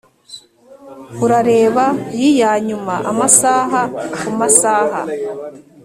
urareba yianyuma, amasaha kumasaha.